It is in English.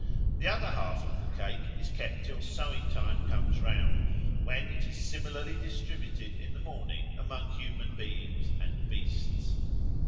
The other half of the cake is kept till sowing time comes round, when it is similarly distributed in the morning among human beings and beasts.